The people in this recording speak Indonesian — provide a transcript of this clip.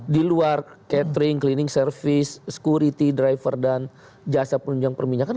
di luar catering cleaning service security driver dan jasa penunjang perminyakan